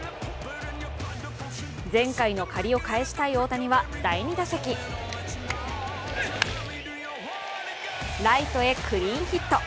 前回の借りを返したい大谷は第２打席ライトへクリーンヒット。